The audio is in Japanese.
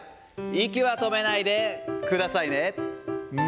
息は止めないでくださいね。